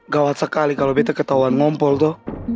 gawat sekali kalau bete ketahuan ngompol toh